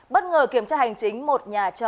bất ngờ kiểm tra hành chính một nhà chợ